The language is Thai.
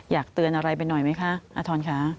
อยากเตือนอะไรไปหน่อยไหมคะอาทรคะ